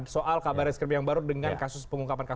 soal kabar reskrim yang baru dengan kasus pengungkapan kasus